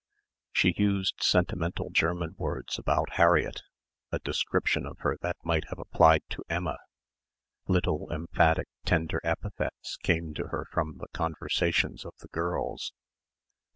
She used sentimental German words about Harriett a description of her that might have applied to Emma little emphatic tender epithets came to her from the conversations of the girls.